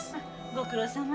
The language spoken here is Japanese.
ご苦労さま。